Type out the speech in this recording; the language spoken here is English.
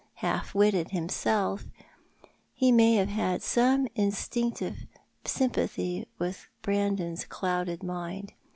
Half witted himself, he may have had some instinctive sympathy with Brandon's clouded mind.